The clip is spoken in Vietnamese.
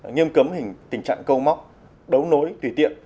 nghiêm cấm tình trạng câu móc đấu nối tùy tiện